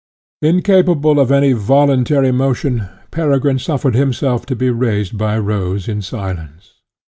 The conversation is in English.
Incapable of any voluntary motion, Peregrine suffered himself to be raised by Rose in silence.